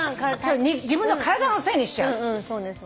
自分の体のせいにしちゃう。